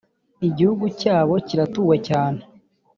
igihugu cyabo kiratuwe cyane.